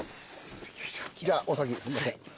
じゃあお先すんません。